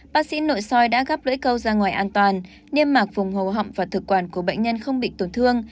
bác sĩ nội soi đã gấp lưỡi câu ra ngoài an toàn niêm mạc vùng hồ họng và thực quản của bệnh nhân không bị tổn thương